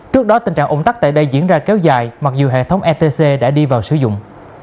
trước đó tình trạng ủng tắc tại đây diễn ra kéo dài mặc dù hệ thống etc đã đi vào sử dụng